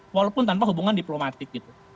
walaupun tanpa hubungan diplomatik gitu